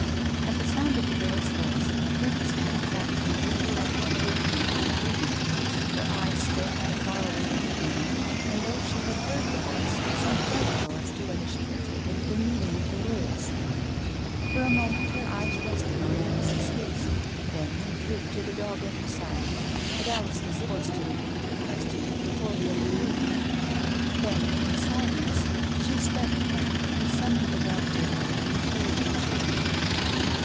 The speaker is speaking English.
At the sound of the girl's voice Prudence turned back from the window like one awakening from a dream. Her eyes still had a far away look in them, and though she had heard the voice it seemed doubtful as to whether she had taken the meaning of the words. For a moment her eyes rested on Alice's face, then they drooped to the dog at her side, but Alice was forced to repeat her question before the other moved. Then, in silence, she stepped back and summoned the dog to her with an encouraging chirrup.